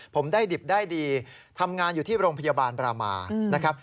ผมได้ดิบได้ดีทำงานอยู่ที่โรงพยาบาลบรามานะครับ